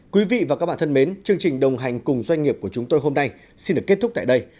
quý vị và các bạn thân mến chương trình đồng hành cùng doanh nghiệp của chúng tôi hôm nay xin được kết thúc tại đây